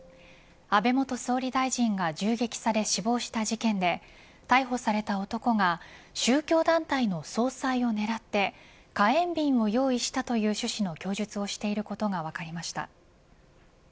安倍元総理大臣が銃撃され死亡した事件で逮捕された男が宗教団体の総裁を狙って火炎瓶を用意したという趣旨の供述をしていることが分かりました。